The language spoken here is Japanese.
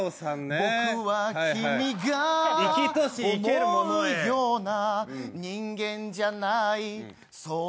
僕は君が思うような人間じゃない、そう